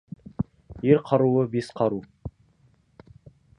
Ер қаруы — бес қару.